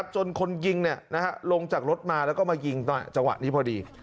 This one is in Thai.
จนคนยิงลงจากรถมาแล้วก็มายิงจังหวะนี้พอดี